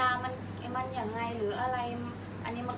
อันไหนที่มันไม่จริงแล้วอาจารย์อยากพูด